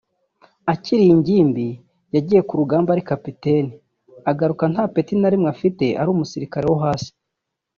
Akiri ingimbi yagiye ku rugamba ari kapiteni agaruka nta peti na rimwe afite ari umusirikari wo hasi